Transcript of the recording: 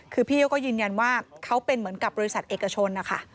คือพี่เขาก็ยืนยันว่าเขาเป็นเหมือนกับบริษัทเอกชนนะคะ